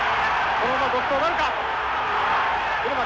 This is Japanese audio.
このまま独走なるか。